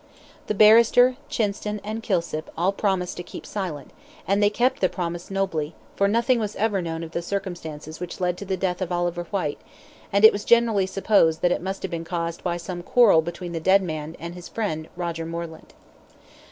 The barrister, Chinston, and Kilsip, all promised to keep silent, and they kept the promise nobly, for nothing was ever known of the circumstances which led to the death of Oliver Whyte, and it was generally supposed that it must have been caused by some quarrel between the dead man and his friend Roger Moreland.